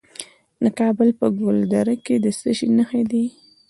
د کابل په ګلدره کې د څه شي نښې دي؟